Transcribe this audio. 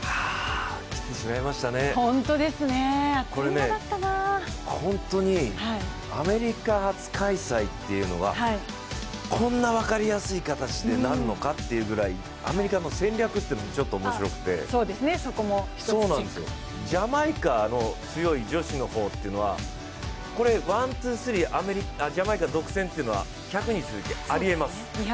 きてしまいましたね、これね本当にアメリカ初開催っていうのは、こんな分かりやすい形でなるのかっていうぐらいアメリカの戦略というのもちょっと面白くてジャマイカの強い女子の方というのはワン・ツー・スリージャマイカ独占というのは１００に続きあります。